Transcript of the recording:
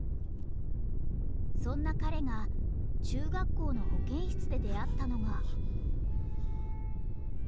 そんな彼が中学校の保健室で出会ったのが。